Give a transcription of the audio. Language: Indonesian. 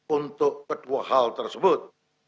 untuk kedua hal tersebut